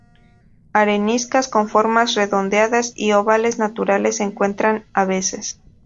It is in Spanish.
Areniscas con formas redondeadas y ovales naturales se encuentran a veces.